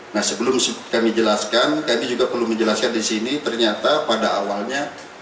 nah sebelum kami jelaskan kami juga perlu menjelaskan di sini ternyata pada awalnya